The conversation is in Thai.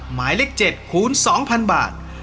หมายเลข๗คูณ๒๐๐๐บาท